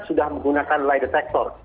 sudah menggunakan lie detector